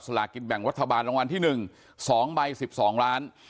สหกิจแบ่งวัฒนาบาลวังวันที่หนึ่งสองใบสิบสองล้าน